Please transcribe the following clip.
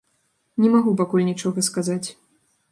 Не магу пакуль нічога сказаць.